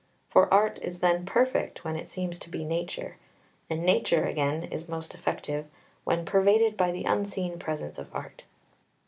For art is then perfect when it seems to be nature, and nature, again, is most effective when pervaded by the unseen presence of art.